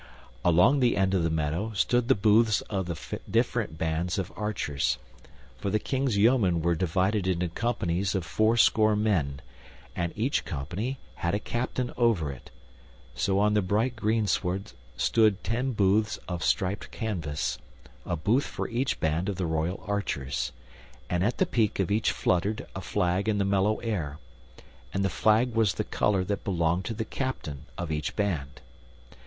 Along the end of the meadow stood the booths for the different bands of archers, for the King's yeomen were divided into companies of fourscore men, and each company had a captain over it; so on the bright greensward stood ten booths of striped canvas, a booth for each band of the royal archers, and at the peak of each fluttered a flag in the mellow air, and the flag was the color that belonged to the captain of each band.